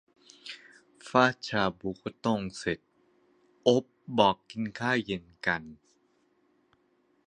ฟาดชาบูก็โต้งเสร็จ โอ๊บบอกกินข้าวเย็นกัน